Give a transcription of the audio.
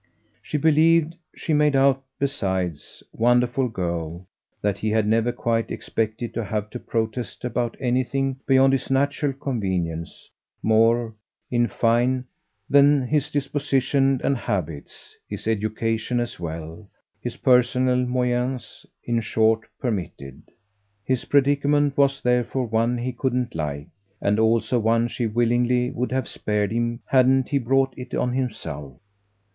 She believed she made out besides, wonderful girl, that he had never quite expected to have to protest about anything beyond his natural convenience more, in fine, than his disposition and habits, his education as well, his personal moyens, in short, permitted. His predicament was therefore one he couldn't like, and also one she willingly would have spared him hadn't he brought it on himself.